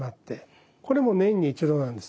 これも年に一度なんです。